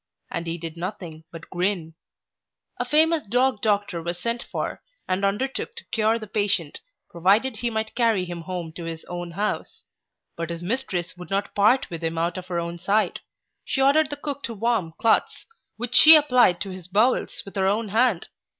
and he did nothing but grin. A famous dog doctor was sent for, and undertook to cure the patient, provided he might carry him home to his own house; but his mistress would not part with him out of her own sight She ordered the cook to warm cloths, which she applied to his bowels, with her own hand.